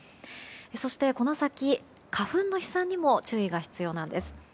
そして、この先、花粉の飛散にも注意が必要なんです。